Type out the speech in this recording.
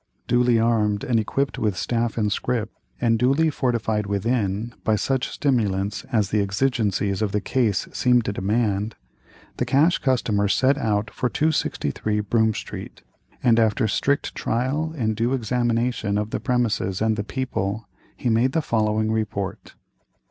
Duly armed and equipped with staff and scrip, and duly fortified within by such stimulants as the exigencies of the case seemed to demand, the Cash Customer set out for 263 Broome Street, and after strict trial and due examination of the premises and the people, he made the following report.